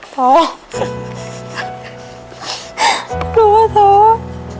โทษรู้ว่าโทษ